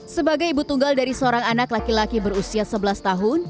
sebagai ibu tunggal dari seorang anak laki laki berusia sebelas tahun